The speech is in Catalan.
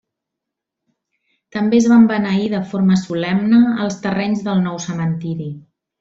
També es van beneir de forma solemne els terrenys del nou cementiri.